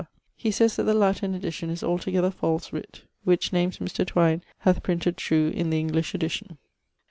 He says that the Latin edition is altogether false writt, which names Mr. Twyne hath printed true in the English edition.